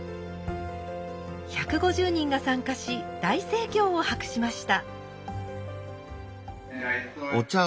１５０人が参加し大盛況を博しました。